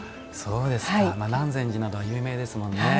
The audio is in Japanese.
そうですか南禅寺などは有名ですもんね。